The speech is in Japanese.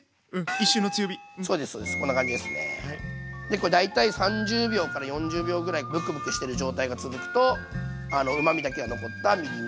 でこれ大体３０秒４０秒ぐらいブクブクしてる状態が続くとうまみだけが残ったみりんになっていきます。